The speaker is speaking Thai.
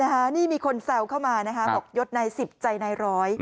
ค่ะนี่มีคนแซวเข้ามาบอกยดนาย๑๐ใจนาย๑๐๐